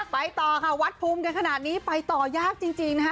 ไปต่อค่ะวัดภูมิกันขนาดนี้ไปต่อยากจริงนะคะ